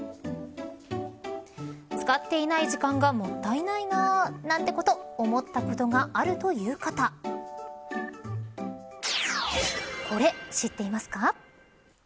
使っていない時間がもったいないななんて思ったことがあるという方これ知っていますか。